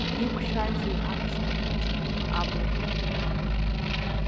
Иқәшәазеи аԥшӡа хәҷы, абла-ӷра?